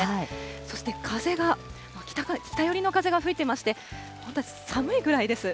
そして、風が、北寄りの風が吹いてまして、本当に寒いぐらいです。